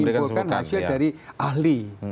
menyimpulkan hasil dari ahli